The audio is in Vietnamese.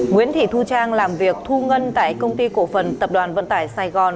nguyễn thị thu trang làm việc thu ngân tại công ty cổ phần tập đoàn vận tải sài gòn